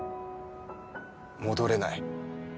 戻れない。